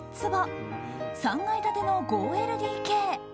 ３階建ての５ＬＤＫ。